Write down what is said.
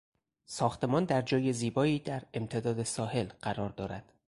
ساختمان در جای زیبایی در امتداد ساحل قرار دارد.